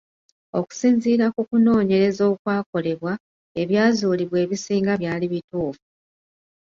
Okusinziira ku kunoonyereza okwakolebwa, ebyazuulibwa ebisinga byali bituufu.